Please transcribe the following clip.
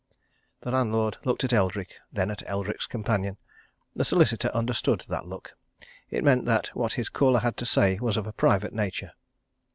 The landlord looked at Eldrick and then at Eldrick's companion. The solicitor understood that look: it meant that what his caller had to say was of a private nature.